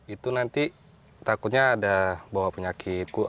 itu nanti takutnya ada bawa penyakit